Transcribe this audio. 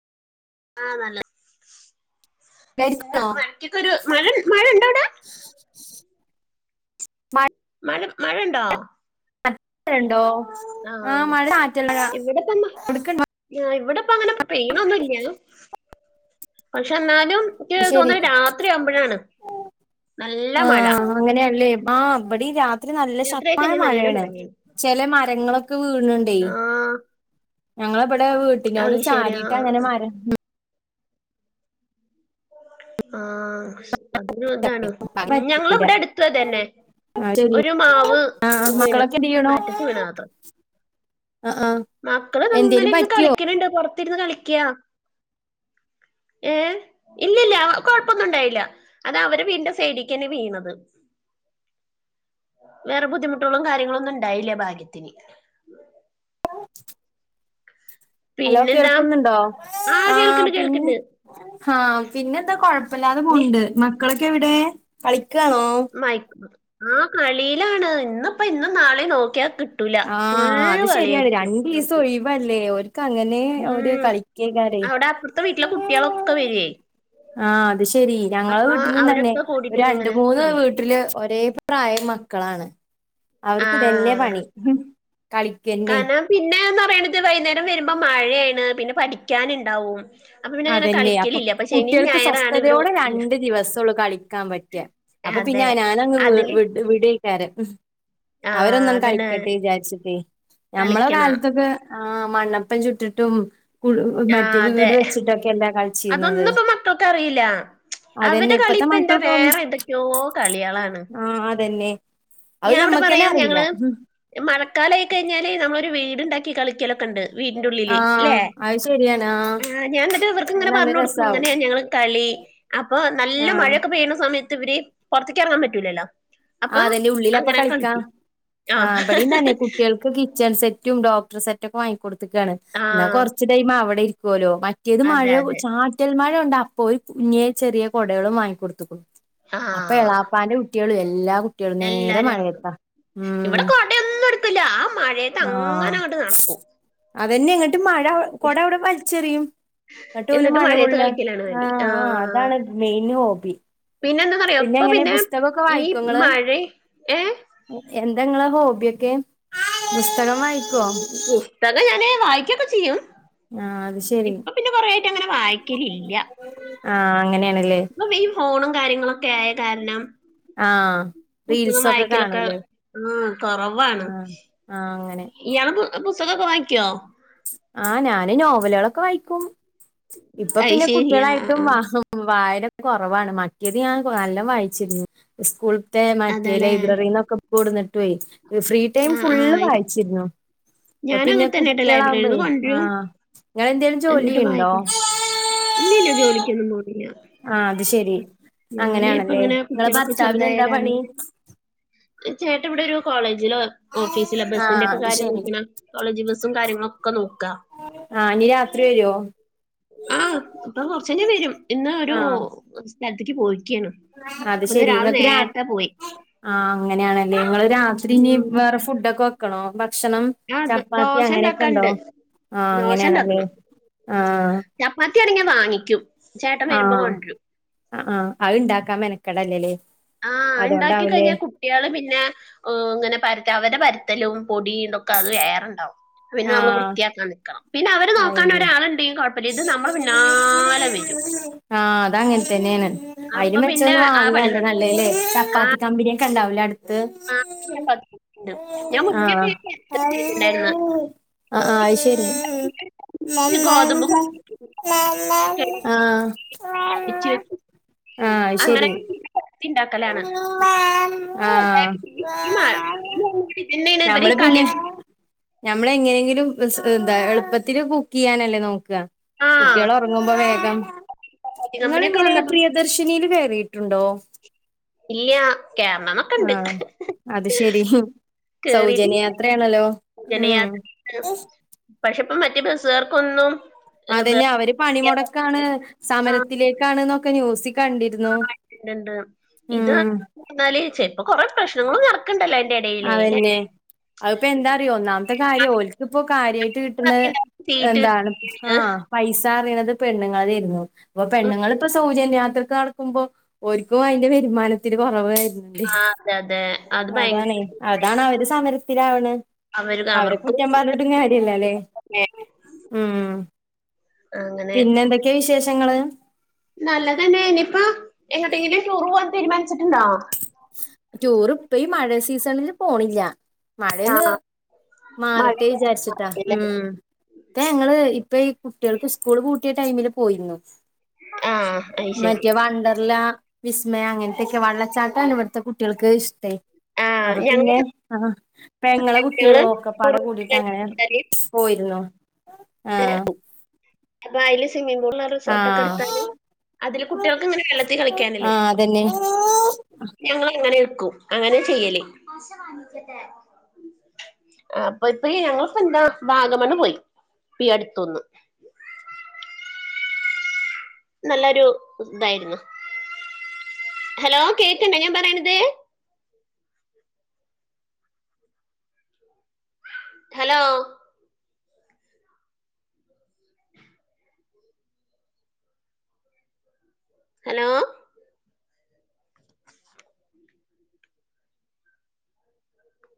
ആഹ് നല്ലേ, പിന്നെ ണ്ടായിരിക്കണോ മഴക്കെക്കൊരു മഴ മഴണ്ടോ അവ്ടെ? മഴ മഴണ്ടോ? ഴണ്ടോ? ആഹ് മഴ [unintelligible] കൊടുക്ക ആഹ് ഇവിടെപ്പങ്ങനെ പെയ്യ്ണൊന്നുല്ല്യ. പക്ഷെ ന്നാലും എന്ക്കീ ശരി തോന്ന്ണ് രാത്രി ആവ്മ്പഴാണ് നല്ല മഴ. ആഹ് അങ്ങനെയല്ലേ ആഹ് ഇവടീ രാ ത്രി നല്ല രാത്രിയൊക്കെ ശക്തമായ ഞാൻ നല്ല മഴേണ്. മഴയാണ് ചെലെ മരേങ്ങളൊക്കെ വീണിണ്ട്യേ. ആഹ് ഞങ്ങളെ ബടെ വീട്ട്നോട് അയ് ശരി ചാരിട്ടാങ്ങനെ ആഹ് മര ആഹ് അതിനും ഇതാണ്, ഉം പറ്റീല്ല ഞങ്ങളെവ്ടെ അടുത്തൂ അതന്നെ. ആഹ് ശരി ഒരു മാവ് ആഹ് വീണ്, മക്കളൊക്കെ എന്ത് ചെയ്യണു കാറ്റത്ത് വീണതാത്ത്രേ. ആഹ് ആഹ് മക്കള്ങ്ങനെ എന്തേലും ഇര്ന്ന് കളി പറ്റിയോ ക്കണ്‌ണ്ട് പൊറത്തിര്ന്ന് കളിക്ക്യാ. ഏഹ് ഇല്ല്യല്ല്യാ ആ കൊഴപ്പൊന്നുണ്ടായില്ല. അതവരെ വീടിന്റെ സൈഡീക്കെന്നെ വീണത്. വേറെ ബുദ്ധിമുട്ടോളും കാര്യങ്ങളൊന്നുണ്ടായില്ല്യ ഭാഗ്യത്തിന്. ഹലോ പിന്നെന്താ കേൾക്കുന്നുണ്ടോ? ആ ആഹ് കേൾക്കണ്ട് പിന്നെ കേൾക്കണ്ട് ആഹ് പിന്നെന്താ കൊഴപ്പില്ലാതെ നീ പോണണ്ട്. മക്കളൊക്കെ എവടേ കളിക്കാണോ? മയ്ക്ക ആഹ് കളീലാണ് ഇന്ന്പ്പോ ഇന്നും നാളീം നോക്ക്യാ കിട്ട ട്ടൂല ആ ഫുള്ള് കള്യായിരിക്കും ഓർക്ക്. മ്പല്ലേ ഓര്ക്ക് അങ്ങനേ ഓര് കളിക്കേക്കാരേ. ത്ത വീട്ട്ലെ കുട്ട്യേളൊക്കെ വര്വേയ്. ആഹ് അത് ശെരി. ഞങ്ങളെ വീട്ട്ലും തന്നേ, അവരൊക്കെ കൂടിയിട്ട് ഒര് രണ്ട് ഇങ്ങനെ മൂന്ന് കളി വീട്ട്ല് ഒരേ പ്രാ പ്രായം മക്കളാണ്. ആ അവര്ക്കു ഇതന്നെ പണി, കളിക്കന്നെ. പിന്നേന്നറയ്ണത് വൈയ്ന്നേരം വരുമ്പൊ മഴേണ് പിന്ന പഠിക്കാന്ണ്ടാവും. അതെന്നെ അപ്പൊ കുട്ട്യേൾക്ക് ഞായറാണ് ഇവര് സ്വസ്ഥതയോടെ ഇല്ല രണ്ട് ദിവസൊള്ളു കളിക്കാൻ പറ്റ. അപ്പൊ പിന്നെ അതെ ഞാനങ്ങ് അതില് വിട് വിടേക്കാരം. ആ അവരൊന്നണ് അതന്നെ കളിക്കട്ടെ വിചാര്ച്ച്ട്ടേ ഞമ്മളെ കളിക്കണം കാല്ത്തൊക്കെ ആഹ് മണ്ണപ്പം ചുട്ടിട്ടും കുള് മറ്റേ വീട് വെച്ച് അതൊന്നുപ്പ മക്കൾക്കറിയില്ല. അതന്നെ അവരെ ഇപ്പത്തെ കളിപ്പെന്ത വേറെ എതൊക്ക്യോ കളേളാണ്. ആഹ് അതെന്നെ അയ് ഞമ്മക്കെന്നെ പറയും അറീല. ഞങ്ങള് മഴക്കാലായി കഴിഞ്ഞാല് നമ്മളൊരു വീട്ണ്ടാക്കി കളിക്കലൊക്കണ്ട് വീട്ന്റുള്ളില് ആഹ് ലേ. അത് ശരിയാണ് ആഹ് ഞാ ഇന്ന്ട്ട് അത് ഇവർക്ക്ങ്ങനെ നല്ല പറഞ്ഞൊട്ക്കും രസാവും ഇങ്ങനേ ഞങ്ങളെ കളി അപ്പോ നല്ല ആഹ് മഴൊക്ക പെയ്യ്ണ സമയത്ത് ഇവര് പൊറ്ത്ത്ക്ക് എറങ്ങാൻ പറ്റൂലല്ലൊ. ആഹ് അതല്ലെ ഉള്ളിലപ്പ കളിക്ക ആഹ് ഇബടീം തന്നെ കുട്ട്യോൾ കിച്ചൺ സെറ്റും ഡോക്ടറ്സെറ്റൊക്ക വാങ്ങിക്കൊട്ത്ത്ക്കാണ് ഇന്ന ആഹ് കൊറ്ച്ച് ടൈമ് അവടെ ഇരിക്കോലൊ. മറ്റേത് മഴ അതെ അതെ ചാറ്റൽ മഴൊണ്ട് അപ്പൊ ഒര് കുഞ്ഞേ ചെറീ കൊടേളും വാങ്ങിക്കൊടുത്ത്ക്ക്ണു. അപ്പൊ ആഹ് എളാപ്പാന്റെ കുട്ട്യോളും എല്ലാ കു ട്ട്യേളും നേരെ എല്ലാരും ഇറങ്ങും മഴേത്ത ഉം ഇവിടെ കൊടയൊന്നും എടുക്കില്ല ആ മഴയത്ത് ആഹ്. അങ്ങനെ അങ്ങോട്ട് നടക്കും അതെന്നെ ഇങ്ങ്ട്ട് മഴ കൊട ഇവടെ വലിച്ചെറിം ഇന്ന്ട്ട് ഓല് എന്നിട്ട് മഴ മഴയത്ത് കൊള്ള കളിക്കലാണ് പണി ആഹ് ആഹ് അതാണ്. Main hobby. പിന്നെന്താന്നറിയൊ ഇപ്പൊ എങ്ങനെ പിന്നെ പുസ്തകൊക്കെ ഈ മഴീ ഏഹ് എന്ത ഇങ്ങളെ ഹോബ്യൊക്കെ ബുസ്തകം വായിക്ക്വൊ? ബുസ്തകം ഞാന് വായിക്കൊക്കെ ചെയ്യും. ആഹ് അത് ശെരി ഇപ്പൊ പിന്നെ കൊറേ ആയിട്ട് അങ്ങനെ വായിക്കലില്ല ആഹ് അങ്ങനെയാണല്ലേ ഇ ഫോണും കാര്യങ്ങളൊക്ക ആയ കാര്ണം ആഹ് പുസ്ത്തകം റീൽസൊക്കെ വായിക്കലൊക്ക കാണൂല്ലേ ആഹ് കൊറവാണ് ആഹ് ആഹ് അങ്ങനെ ഇയാള് പുസ്തകൊക്ക വായിക്കൊ ആഹ് ഞാന് നോവലേളൊക്ക വായിക്കും ഇപ്പൊ അത് പിന്നെ ശരി ആ ആ കുട്ടീളായിട്ടും ആ. വാ വായന കൊറവാണ് മറ്റേത് ഞാൻ നല്ലൊം വായ്ച്ചിരുന്നു സ്കൂള്ത്തേ മറ്റെ അതല്ലേ ലൈബ്രറീന്നൊക്ക കൊടുന്നിട്ടൊയ് ഫ്രീ ടൈം ആ ആ ഫുള്ള് വായിച്ചിര്ന്നു ഇപ്പൊ ഞാനും പിന്നെ അങ്ങനെ തന്നെ കേട്ടോ ലൈബ്രറിയിൽ കുട്ടീളാവുമ്പെ നിന്ന് കൊണ്ടുവരും ആഹ് ഇങ്ങളെ എന്തേലും എന്നിട്ട് ജോലിയ്യ്ൺണ്ടൊ വായിക്കും ഇല്ലില്ല ജോലിക്കൊന്നും പോണില്ല ആഹ് അത് ശെരി ഞാന് ഇപ്പ അങ്ങനെയാണല്ലേ ഇങ്ങന നിങ്ങളെ കുട്ടീളൊക്ക ഭർത്താവിന് ചെറ്തായ എന്താ പണി കാര്ണം ചേട്ട ഇവടൊരു കോളേജില ഓഫീസില ആഹ് ബസ്സിന്റൊക്ക അത് കാര്യം ശെരി നോക്ക്ണ കോളേജ് ബസ്സും കാര്യങ്ങളും ഒക്ക നോക്ക ആഹ് ഇഞി രാത്രി വരോ ആഹ് ഇപ്പം കൊറ്ച്ചഴ്ഞ വരും ഇന്ന് ഒരു ആഹ് സ്ഥലത്ത്ക്ക് പോയ്ക്കാണ് അത് ശരി ഇങ്ങക് രാ ആഹ് അങ്ങനെയാണല്ലെ ഇങ്ങള് രാത്രി ഇനി ഉം, വേറെ ഫുഡ്ഡൊക്ക വെക്കണൊ ഭക്ഷണം ആ ദ- ചപ്പാത്തി ദോശ അങ്ങനെയൊക്കണ്ടൊ ഉണ്ടാക്കാണ്ട് ആഹ് ദോശ അങ്ങനെയാണല്ലെ ഉണ്ടാക്കണം ആഹ് ചപ്പാത്തി ആണെ ഞാ വാങ്ങിക്കും ചേട്ടൻ വരുമ്പോ ആഹ് കൊണ്ടുവരും അ ആഹ് അത്ണ്ടാക്ക മെനക്കെടല്ലലെ ആഹ് ഇണ്ടാക്കി കഴ്ഞ്ഞാ കു കുട്ടീള് പിന്നെ ഏഹ് ഇങ്ങനെ പരത്ത അവരെ പരത്തലും പൊടീ ഇതൊക്ക അത് വേറണ്ടാവും പിന്നെ നമ്മള് ആഹ് വൃത്തിയാക്കാൻ നിക്കണം. പിന്നെ അവര് നോക്കാ അയന്നെ ഒരാള്ണ്ടെങ്കി കൊഴപ്പല്ല. ഇത് നമ്മള് പിന്നാലെ വെരും. ആഹ്. അത് അങ്ങൻ തന്നേണ്. അയിന് അപ്പൊ മെച്ച പിന്നെ ഒന്ന് ആ പണി വാങ്ങാല്ലെ നടക്കില്ല. നല്ലത് ല്ലെ ആ ചപ്പാത്തി കമ്പ കൊണ്ടാവുല്ല അടു ആ [unintelligible] ഞാൻ മുന്നെ [unintelligible] ആഹ് ചെയ്തിട്ടുണ്ടായിരുന്ന്. ആ ആ ശെരി. ഈ ഗോതമ്പ് കഴുകി ആ പൊടിച്ച് വെക്കും. അങ്ങനെ [unintelligible] ഇണ്ടാക്കലാണ് ആഹ് ഇമാ പിന്നെ ഇവരെ കളി [unintelligible] ഞമ്മള് എങ്ങനെങ്കിലും എന്താ എളുപ്പത്തില് കുക്ക് ചെയ്യാനല്ലെ നോക്ക. ആഹ് കുട്ട്യേള് ഒറങ്ങുമ്പം വേഗം. കോച്ച് കമ്പനിയൊക്കെ ഇങ്ങളിങ്ങനെ വന്നപ്പോ പ്രിയദർശിനീ ല് കേറീട്ടുണ്ടൊ. ഇല്ല കേറണോന്നെക്കെ ഇണ്ട് ആഹ് അത് ശെരി കേറീട്ട് സൗജന്യ യാത്രയാണല്ലോ ഇന ഉം യാത് പക്ഷെ ഇപ്പ മറ്റെ പ സേർക്കൊന്നും. അതന്നെ അവര് പണിമുടക്കാണ്. ആഹ് സമരത്തിലേക്കാണ്. ഇന്നൊക്കെ ന്യൂസിക്ക കണ്ടിരുന്നു ഉം എന്നാല് ചെൽപ്പ കൊറെേ പ്രശ്നങ്ങളും നടക്ക്ണ്ടല്ലൊ. അയ്ന്റെ എടേയില് ലേ. അത്പ്പോ എന്താ അറ്യാെ. ഒന്നാമത്തെ കാര്യം ഓല്ക്ക് ഇപ്പോ കാര്യായിട്ട് കിട്ട്ണത് സീറ്റ് എന്താണ് കിട്ടി ആ പൈസ അറിയണത് പെണ്ണുങ്ങൾ തേന്നു. അപ്പൊ പെണ്ണുങ്ങള്പ്പ സൗജന്യയാത്രക്ക് നടക്കുമ്പോ ഓര്ക്കും അതിന്റെ വരുമാനത്തിന് കൊറവാ വരുന്നെ ആ അതെ അതെ അത് ഭയങ്കര [unintelligible] അതാണ് അവര് സമരത്തിലാവ്ണ്. അവര് അവരെ അവർക്കും കുറ്റൻ പറഞ്ഞിട്ടും കാര്യല്ല അല്ലേ വേണം ഉം ആങ്ങനെ പിന്നെ എന്തൊക്കെയാ വിശേഷങ്ങള് നല്ലതന്നേനി ഇപ്പോ എങ്ങോട്ടെങ്കിലും ടൂറ് പോവാാൻ തീരുമാനിച്ചിട്ടുണ്ടോ. റ്റൂർ ഇപ്പ ഈ മഴ സീസണില് പോണില്ല. ആ മഴൊന്ന് മാറട്ടേ മഴയൊക്കെ വിചാരിച്ച്ട്ടാ. മാറിയല്ലേ ഉം. ഇപ്പ ഞങ്ങള് ഇപ്പ ഈ കുട്ട്യേൾക്ക് സ്കൂള് പൂട്ടിയ ടൈമില് പോയിന്നു. ആ അത് ശരി മറ്റെ വണ്ടർലാ വിസ്മയ അങ്ങൻത്തൊക്കെ വള്ളച്ചാട്ടാണ് ഇവിടു കുട്ട്യേൾക്ക് ഇഷ്ട്ടയി ആ ഞങ്ങൾ അപ്പപ്പിന്നെ ആ പെങ്ങളെ ഞങ്ങള് കുട്ട്യേളും ഓക്കെപ്പാടെ കൂടിട്ട് അങ്ങനെ രണ്ടുപേരും പോയിര്ന്നു ആഹ് അപ്പ അയില് സ്വിമ്മിങ്ങ്പൂൾ [unintelligible] റിസോർട്ടൊക്കെ ആഹ് എടുത്താല് അതില് കുട്ട്യേൾക്കിങ്ങനെ വെള്ളത്തി കളിക്കാനല്ലെ ആഹ് [unintelligible] അതന്നെ ഞങ്ങള് അങ്ങനെ എക്കും. അങ്ങനെ ചെയ്യല് അപ്പോ പ്പെ ഈ ഞങ്ങളിപ്പെന്താ വാഗമണ്ണ് പോയി ഇപ്പയി അടുത്തൊന്ന് നല്ലൊരു ഇതായിരുന്നു. ഹലോ കേക്കുണ്ട ഞാൻ പറയിണത് ഹലോ [inaudible] ഹലോ